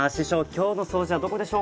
今日の掃除はどこでしょうか？